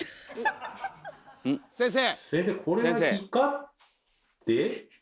先生！